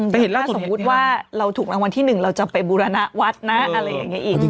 แต่ถ้าสมมุติว่าเราถูกรางวัลที่๑เราจะไปบูรณวัดนะอะไรอย่างนี้อีก